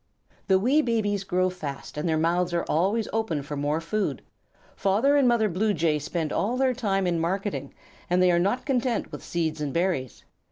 The wee babies grow fast and their mouths are always open for more food. Father and Mother Blue Jay spend all their time in marketing, and they are not content with seeds and berries.